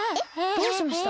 どうしました？